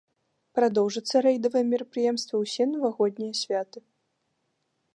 Прадоўжацца рэйдавыя мерапрыемствы ўсе навагоднія святы.